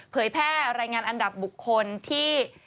เผยแพร่รายงานอันดับบุคคลที่